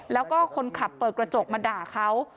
แล้วก็คนขับเปิดกระจกมาด่าเขา